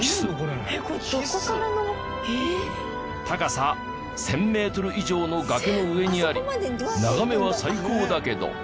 高さ１０００メートル以上の崖の上にあり眺めは最高だけど。